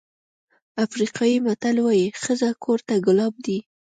افریقایي متل وایي ښځه کور ته ګلاب دی.